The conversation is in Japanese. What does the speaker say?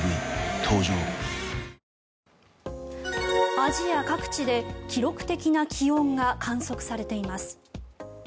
アジア各地で記録的な気温が観測されています。